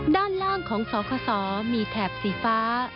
ด้านล่างของสขสมีแถบสีฟ้า